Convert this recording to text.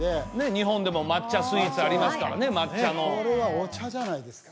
日本でも抹茶スイーツありますからね抹茶のこれはお茶じゃないですか？